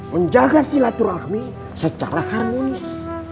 menjaga silaturahmi secara harmonis